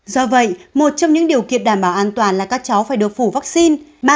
do vậy một trong những điều kiện đảm bảo an toàn là các cháu phải được phủ vaccine